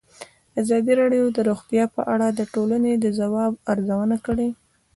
ازادي راډیو د روغتیا په اړه د ټولنې د ځواب ارزونه کړې.